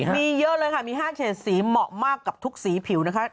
มีเยอะเลยค่ะมี๕เฉดสีเหมาะมากกับทุกสีผิวนะคะ